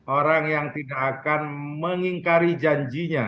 orang yang tidak akan mengingkari janjinya